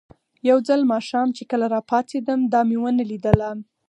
یو ځل ماښام چې کله راپاڅېدم، دا مې ونه لیدله.